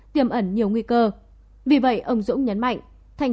tiềm ẩn nhiều nguy cơ vì vậy ông dũng nhấn mạnh